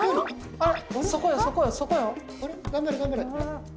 あれ？